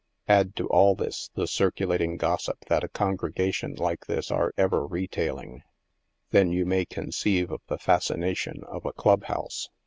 Add to all this the cir culating gossip that a congregation like this are ever retailing, then you may conceive of the fascination of a club house.